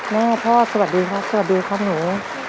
พ่อพ่อสวัสดีครับสวัสดีครับหนู